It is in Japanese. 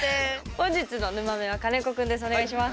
本日のぬまメンは金子君です。